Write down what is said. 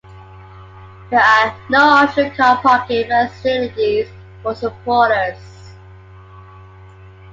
There are no official car parking facilities for supporters.